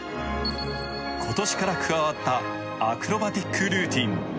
今年から加わったアクロバティックルーティン。